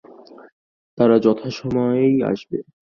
তারা যথাসময়েই আসবে।